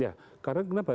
ya karena kenapa